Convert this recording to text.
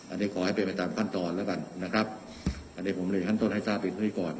อันนี้ขอให้เป็นไปตามขั้นตอนแล้วกันนะครับอันนี้ผมเรียนขั้นต้นให้ทราบอีกทีก่อน